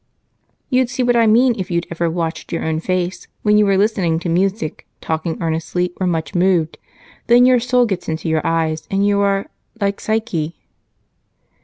"You'd see what I mean, if you'd ever watched your own face when you were listening to music, talking earnestly, or much moved, then your soul gets into your eyes and you are like Psyche."